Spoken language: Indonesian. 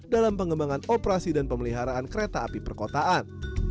dalam pengembangan operasi dan pemeliharaan kereta api perkotaan